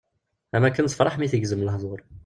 Am wakken tefreḥ mi tegzem lehdur.